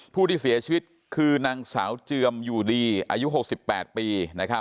ผู้ที่เสียชีวิตคือนางสาวเจือมอยู่ดีอายุ๖๘ปี